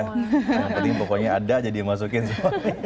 yang penting pokoknya ada jadi masukin semua